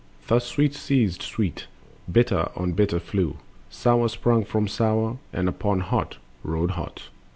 Thus Sweet seized Sweet, Bitter on Bitter flew, Sour sprung for Sour, and upon Hot rode hot.